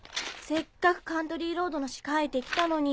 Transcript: せっかく『カントリー・ロード』の詩書いて来たのに。